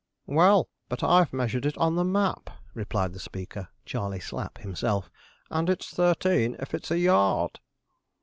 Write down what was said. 'Well, but I've measured it on the map,' replied the speaker (Charley Slapp himself), 'and it's thirteen, if it's a yard.'